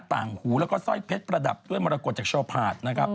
ต่างหูแล้วก็สร้อยเพชรประดับด้วยมรกฏจากชาวผาดนะครับ